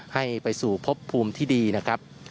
ให้ไปสู่พบภูมิที่ดีนะครับ